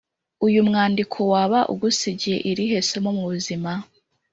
Uyu mwandiko waba ugusigiye irihe somo mu buzima?